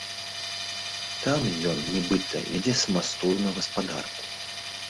Там ён, нібыта, вядзе самастойную гаспадарку.